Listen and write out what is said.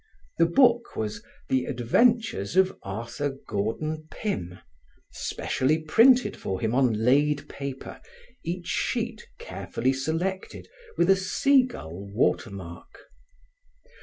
The book was "The Adventures of Arthur Gordon Pym", specially printed for him on laid paper, each sheet carefully selected, with a sea gull watermark.